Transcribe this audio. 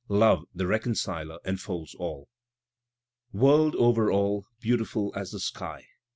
Love, the reconciler, enfolds all: Word over all, beautiful as the sky.